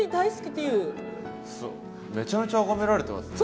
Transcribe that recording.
めちゃめちゃあがめられてますね。